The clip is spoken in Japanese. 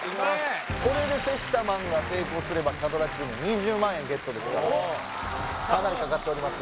これでセシタマンが成功すれば火ドラチーム２０万円ゲットですからかなりかかっております